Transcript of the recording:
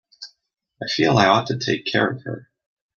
I feel I ought to take care of her.